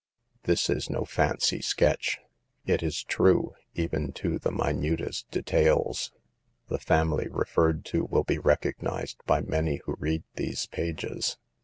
This is no fancy sketch. It is true, even to the minutest details. The family referred to will be recognized by many who read these pages.